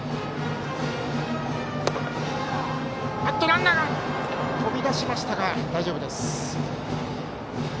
ランナー、飛び出しましたが大丈夫です。